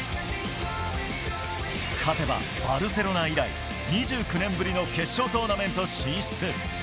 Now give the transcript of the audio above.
勝てば、バルセロナ以来２９年ぶりの決勝トーナメント進出。